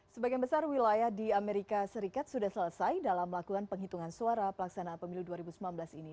sebagian besar wilayah di amerika serikat sudah selesai dalam melakukan penghitungan suara pelaksanaan pemilu dua ribu sembilan belas ini